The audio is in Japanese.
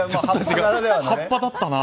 葉っぱだったな。